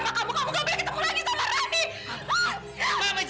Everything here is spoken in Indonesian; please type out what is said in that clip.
aku udah bilang sama kamu kamu gak boleh ketemu lagi sama rani